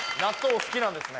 お好きなんですね